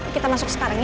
kita masuk sekarang yuk